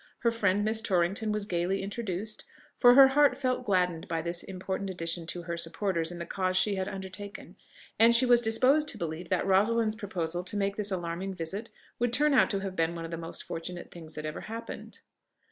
Her friend Miss Torrington was gaily introduced, for her heart felt gladdened by this important addition to her supporters in the cause she had undertaken; and she was disposed to believe that Rosalind's proposal to make this alarming visit would turn out to have been one of the most fortunate things that ever happened.